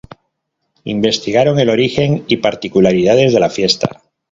Investigaron el origen y particularidades de La Festa.